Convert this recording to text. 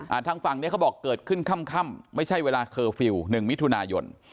ทางฝั่งเนี้ยเขาบอกเกิดขึ้นค่ำค่ำไม่ใช่เวลาเคอร์ฟิลล์หนึ่งมิถุนายน